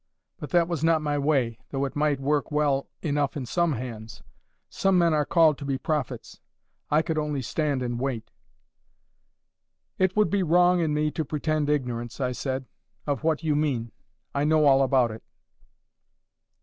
But that was not my way, though it might work well enough in some hands. Some men are called to be prophets. I could only "stand and wait." "It would be wrong in me to pretend ignorance," I said, "of what you mean. I know all about it."